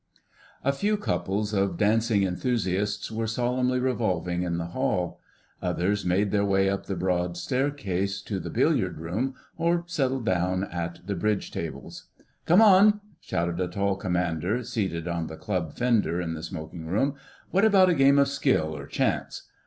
A few couples of dancing enthusiasts were solemnly revolving in the hall. Others made their way up the broad staircase to the billiard room, or settled down at the bridge tables. "Come on," shouted a tall Commander seated on the "club" fender in the smoking room, "what about a game of skill or chance?